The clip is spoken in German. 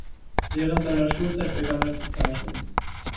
Während seiner Schulzeit begann er zu zeichnen.